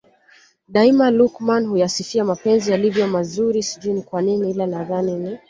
Daima Luqman huyasifia mapenzi yalivyo mazuri sijui ni kwanini ila nadhani ni